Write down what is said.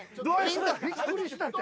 みんなびっくりしたて。